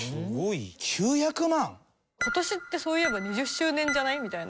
今年ってそういえば２０周年じゃない？みたいな。